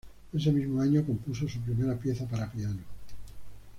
Ese mismo año, compuso su primera pieza para piano.